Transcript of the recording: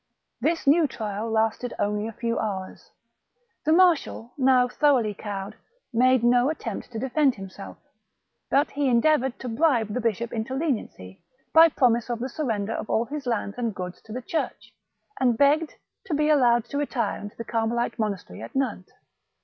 This new trial lasted only a few hours. The marshal, now thoroughly cowed, made no attempt to defend himself, but he endeavoured to bribe the bishop into leniency, by promises of the surrender of all his lands and goods to the Church, and begged to be allowed to retire into the Carmelite monastery at Nantes.